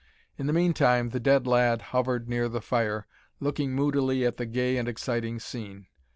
In the mean time the dead lad hovered near the fire, looking moodily at the gay and exciting scene.